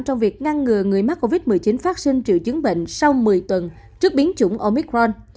trong việc ngăn ngừa người mắc covid một mươi chín phát sinh triệu chứng bệnh sau một mươi tuần trước biến chủng omicron